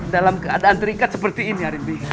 dalam keadaan terikat seperti ini harimbing